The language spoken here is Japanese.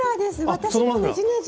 私のねじねじ！